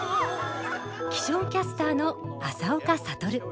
気象キャスターの朝岡覚。